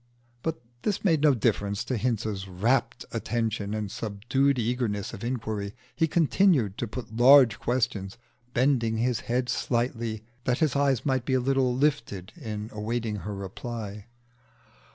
But this made no difference to Hinze's rapt attention and subdued eagerness of inquiry. He continued to put large questions, bending his head slightly that his eyes might be a little lifted in awaiting her reply.